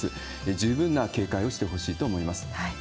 十分な警戒をしてほしいと思います。